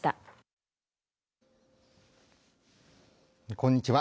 こんにちは。